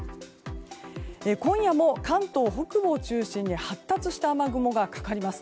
今夜も関東北部を中心に発達した雨雲がかかります。